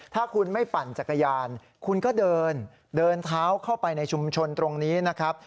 ถ้าคุณไม่ปั่นจักรยานคุณก็เดินเดินเท้าเข้าไปในชุมชนตรงนี้นะครับ